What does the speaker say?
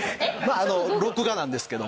録画なんですけども。